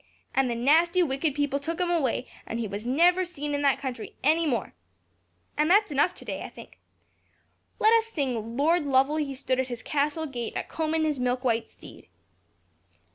And the nasty wicked people took him away, and he was never seen in that country any more. And that's enough to day, I think. Let us sing 'Lord Lovel he stood at his castle gate, a combing his milk white steed.'"